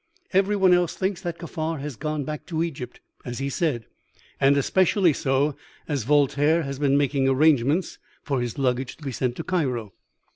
Every one else thinks that Kaffar has gone back to Egypt, as he said, and especially so as Voltaire has been making arrangements for his luggage to be sent to Cairo."